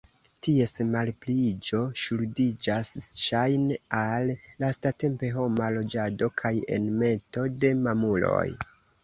Ties malpliiĝo ŝuldiĝas ŝajne al lastatempe homa loĝado kaj enmeto de mamuloj.